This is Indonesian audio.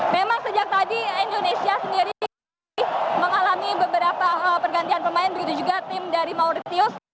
memang sejak tadi indonesia sendiri mengalami beberapa pergantian pemain begitu juga tim dari mauritius